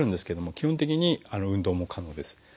基本的に運動も可能です。